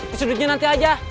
disedutnya nanti aja